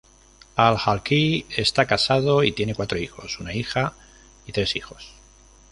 Al-Halqi está casado y tiene cuatro hijos, una hija y tres hijos.